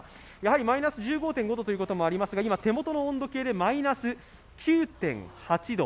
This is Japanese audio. マイナス１５．５度ということもありますが手元の温度計でマイナス９．８度